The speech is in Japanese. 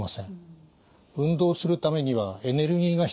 運動するためにはエネルギーが必要です。